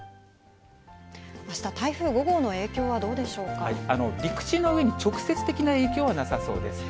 あした、台風５号の影響はど陸地の上に直接的な影響はなさそうです。